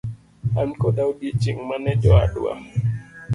An koda odiochieng' mane jowadwa.